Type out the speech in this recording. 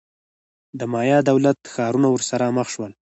د مایا دولت-ښارونه ورسره مخ شول.